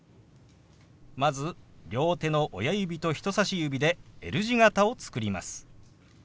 まず両手の親指と人さし指でＬ字形を作ります。